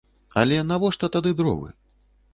Але навошта тады дровы?